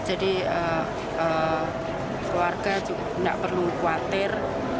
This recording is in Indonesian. jadi keluarga tidak perlu khawatir